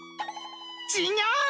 ちがう！